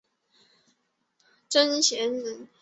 曾铣人。